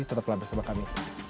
tetap telah bersama kami